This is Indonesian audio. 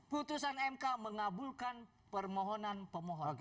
putusan mk mengabulkan permohonan pemohon